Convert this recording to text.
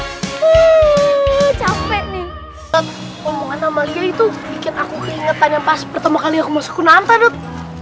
omongan nama dia itu bikin aku keingetan yang pas pertama kali aku masukun nanta dut